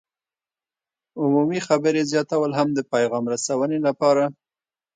عمومي خبرې زیاتول هم د پیغام رسونې لپاره